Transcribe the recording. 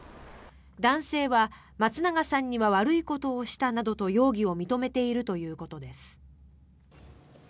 男性は、松永さんには悪いことをしたなどと容疑を認めているということです。